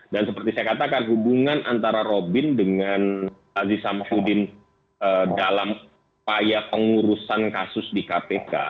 dan seperti saya katakan hubungan antara robin dengan aziz syamsuddin dalam paya pengurusan kasus di kpk